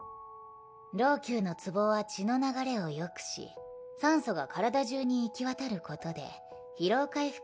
労宮のつぼは血の流れを良くし酸素が体中に行き渡ることで疲労回復の効果があります。